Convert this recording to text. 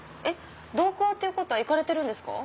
同行っていうことは行かれてるんですか？